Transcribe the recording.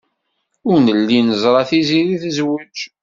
Ur nelli neẓra Tiziri tezwej.